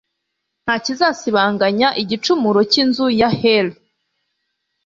nta kizasibanganya igicumuro cy'inzu ya heli